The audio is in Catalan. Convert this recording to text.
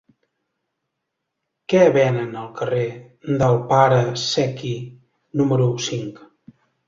Què venen al carrer del Pare Secchi número cinc?